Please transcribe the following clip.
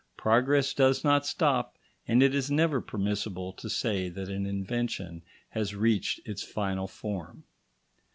Progress does not stop, and it is never permissible to say that an invention has reached its final form.